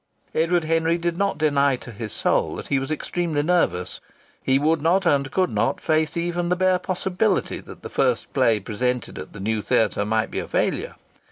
Edward Henry did not deny to his soul that he was extremely nervous. He would not and could not face even the bare possibility that the first play presented at the new theatre might be a failure.